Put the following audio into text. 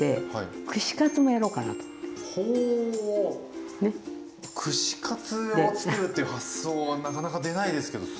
ほ串カツをつくるっていう発想はなかなか出ないですけどすごいですね。